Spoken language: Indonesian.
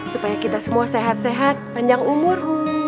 supaya kita semua sehat sehat panjang umur